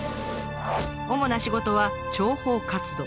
主な仕事は諜報活動。